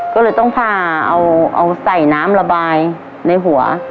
ก็เลยต้องผ่าเอาใส่น้ำระบายในหัว